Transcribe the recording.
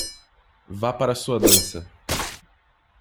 Vá para a sua dança!